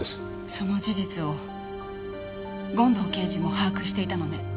その事実を権藤刑事も把握していたのね？